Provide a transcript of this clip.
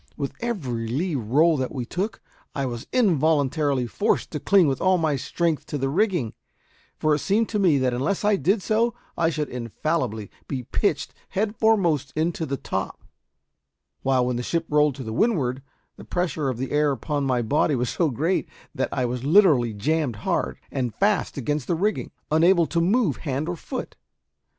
With every lee roll that we took I was involuntarily forced to cling with all my strength to the rigging, for it seemed to me that unless I did so I should infallibly be pitched head foremost into the top; while when the ship rolled to windward the pressure of the air upon my body was so great that I was literally jammed hard and fast against the rigging, unable to move hand or foot.